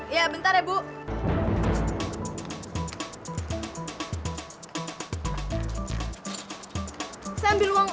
ya bentar ya bu